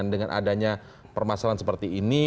dengan adanya permasalahan seperti ini